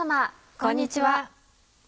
こんにちは。